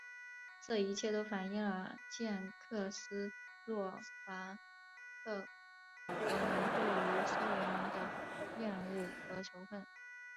这一切都反映了捷克斯洛伐克国民对于苏联的厌恶和仇恨。